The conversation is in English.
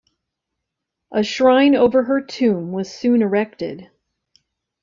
A shrine over her tomb was soon erected.